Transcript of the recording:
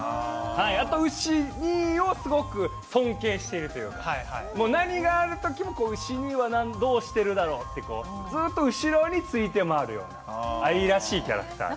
あとウシをすごく尊敬しているというか何かあるときもウシ兄はどうしているだろうとすっと後ろについて回るような愛らしいキャラクターです。